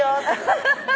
アハハハ